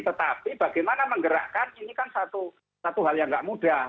tetapi bagaimana menggerakkan ini kan satu hal yang tidak mudah